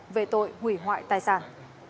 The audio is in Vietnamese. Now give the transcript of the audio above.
về tội hủy hoại tài sản